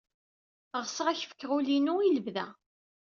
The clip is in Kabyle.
Ɣseɣ ad ak-fkeɣ ul-inu i lebda.